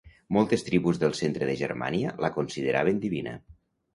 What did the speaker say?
Moltes tribus del centre de Germània la consideraven divina.